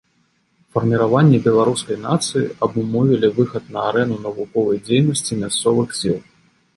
Фарміраванне беларускай нацыі абумовілі выхад на арэну навуковай дзейнасці мясцовых сіл.